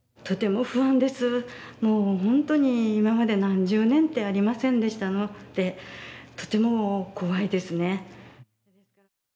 もう本当に今まで何十年ってありませんでしたのでとても怖いですね。